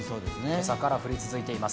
今朝から降り続いています。